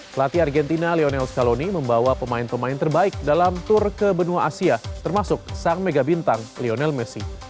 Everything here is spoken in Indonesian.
pelatih argentina lionel scaloni membawa pemain pemain terbaik dalam tur ke benua asia termasuk sang mega bintang lionel messi